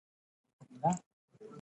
تر څو ونه پېژنو، بدبیني پاتې کېږي.